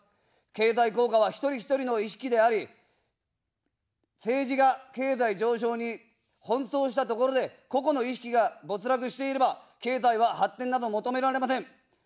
経済効果は一人一人の意識であり、政治が経済上昇に奔走したところで、個々の意識が没落していれば経済は発展など求められません。